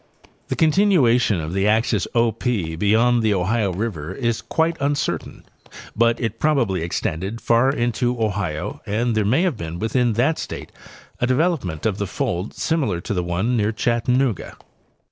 The continuation of the axis O P beyond the Ohio river is quite uncertain, but it probably extended far into Ohio and there may have been within that state a development of the fold similar to the one near Chattanooga.